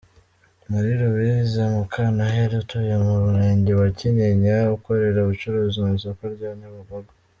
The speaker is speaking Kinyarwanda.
Marie Luwize Mukanoheri, utuye mu Murenge wa Kinyinya ukorera ubucuruzi mu isoko rya Nyabugogo.